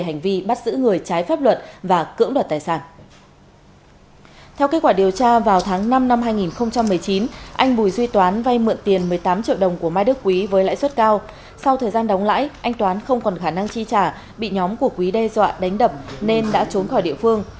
anh bùi duy toán vay mượn tiền một mươi tám triệu đồng của mai đức quý với lãi suất cao sau thời gian đóng lãi anh toán không còn khả năng chi trả bị nhóm của quý đe dọa đánh đập nên đã trốn khỏi địa phương